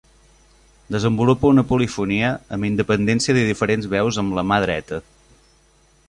Desenvolupa una polifonia, amb independència de diferents veus amb la mà dreta.